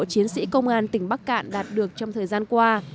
chiến sĩ công an tỉnh bắc cạn đạt được trong thời gian qua